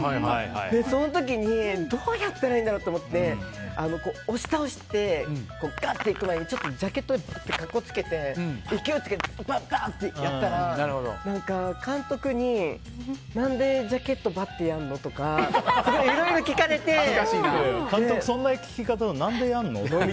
その時に、どうやったらいいんだろうと思って押し倒して、ガッといく前にジャケットを格好つけて勢いつけてバンってやったら監督に、何でジャケット、バッてやるの？とか監督そんな聞き方なんだ。